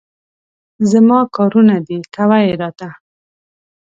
زما کارونه دي، کوه یې راته.